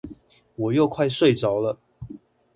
我又快睡著了